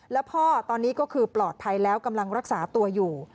แล้วพ่อตอนนี้ก็คือปลอดภัยแล้วกำลังรักษาตัวอยู่